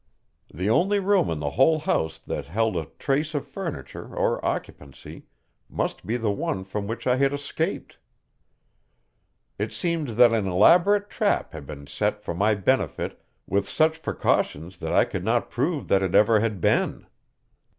The only room in the whole house that held a trace of furniture or occupancy must be the one from which I had escaped. It seemed that an elaborate trap had been set for my benefit with such precautions that I could not prove that it ever had been.